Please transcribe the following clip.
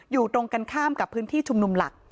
อยู่ตรงกันข้ามกับพื้นที่ชุมนุมหลัก